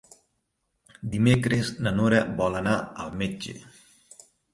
Dimecres na Nora vol anar al metge.